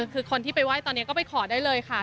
คือคนที่ไปไหว้ตอนนี้ก็ไปขอได้เลยค่ะ